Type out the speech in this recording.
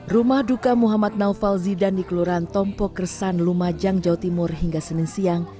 rumah duka muhammad naufal zidan di kelurahan tompok kersan lumajang jawa timur hingga senin siang